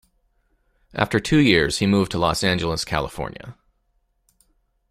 After two years, he moved to Los Angeles, California.